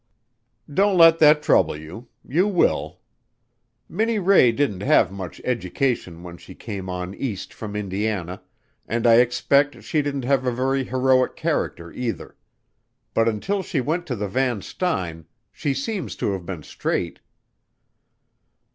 "Don't let that trouble you. You will. Minnie Ray didn't have much education when she came on east from Indiana and I expect she didn't have a very heroic character either. But until she went to the Van Styne, she seems to have been straight."